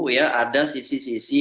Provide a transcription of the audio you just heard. ya ada sisi sisi